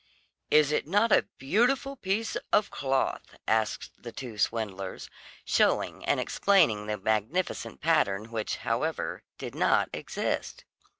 "Is it not a beautiful piece of cloth?" asked the two swindlers, showing and explaining the magnificent pattern, which, however, did not exist.